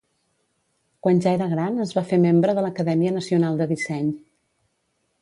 Quan ja era gran, es va fer membre de l'Acadèmia Nacional de Disseny.